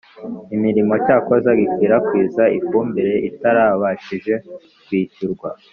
imirimo cyakoze gikwirakwiza ifumbire itarabashije kwishyurwa.